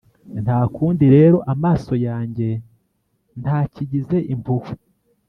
Nta kundi rero, amaso yanjye ntakigize impuhwe.